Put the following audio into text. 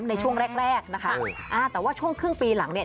ในช่วงแรกแรกนะคะอ่าแต่ว่าช่วงครึ่งปีหลังเนี่ย